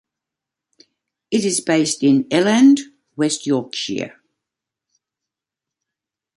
It is based in Elland, West Yorkshire.